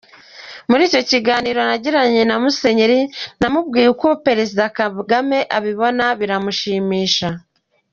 Mur’icyo cyiganiro nagiranye na Museveni, namubwiye uko Perezida Kagame abibona biramushimisha.